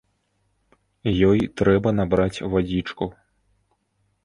Ёй трэба набраць вадзічку.